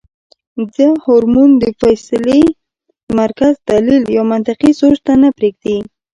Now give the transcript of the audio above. دا هارمون د فېصلې مرکز دليل يا منطقي سوچ ته نۀ پرېږدي -